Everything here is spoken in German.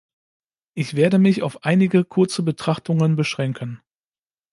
Ich werde mich auf einige kurze Betrachtungen beschränken.